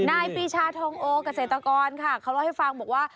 นายปีชาทองโอเกษตรกรค่ะเขาเล่าให้ฟังบอกว่า